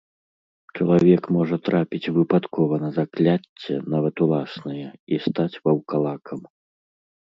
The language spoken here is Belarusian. Чалавек можа трапіць выпадкова на закляцце, нават уласнае, і стаць ваўкалакам.